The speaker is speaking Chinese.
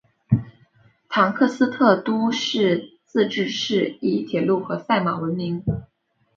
唐克斯特都市自治市以铁路和赛马闻名。